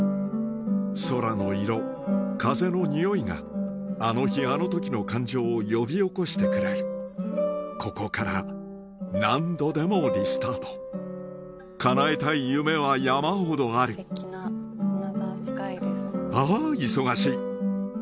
空の色風のにおいがあの日あの時の感情を呼び起こしてくれるここから何度でもリスタート叶えたい夢は山ほどあるあ忙しい！